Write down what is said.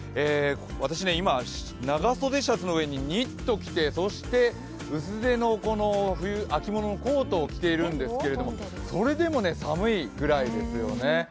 私今、長袖シャツの上にニット着てそして薄手の秋物のコートを着ているんですけれどもそれでもね、寒いぐらいですよね。